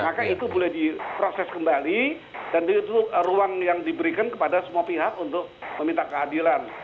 maka itu boleh diproses kembali dan itu ruang yang diberikan kepada semua pihak untuk meminta keadilan